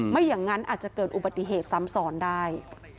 ไม่อย่างนั้นอาจจะเกิดอุบัติเหตุซ้ำซ้อนได้